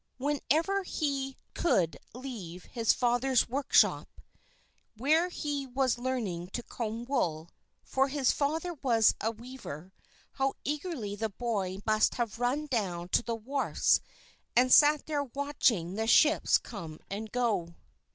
Whenever he could leave his father's workshop, where he was learning to comb wool, for his father was a weaver, how eagerly the boy must have run down to the wharfs and sat there watching the ships come and go.